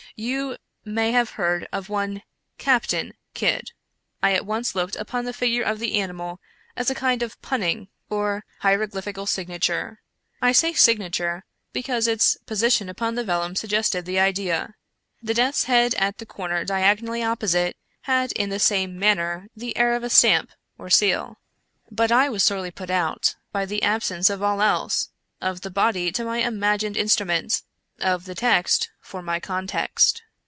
" You may have heard of one Captain Kidd. I at once looked upon the figure of the animal as a kind of punning or hieroglyphical signature. I say signature ; because its posi tion upon the vellum suggested this idea. The death's head at the corner diagonally opposite, had, in the same manner, the air of a stamp, or seal. But I was sorely put out by the absence of all else — of the body to my imagined instru ment — of the text for my context."